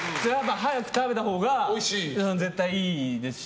早く食べたほうが絶対いいですし。